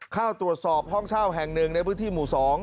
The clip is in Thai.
เข้าตรวจสอบห้องเช่าแห่งหนึ่งในพื้นที่หมู่๒